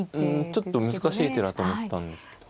ちょっと難しい手だと思ったんですけど。